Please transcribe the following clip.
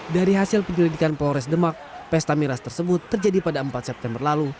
dari hasil penyelidikan polres demak pesta miras tersebut terjadi pada empat september lalu